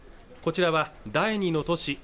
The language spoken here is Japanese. こちらは第２の都市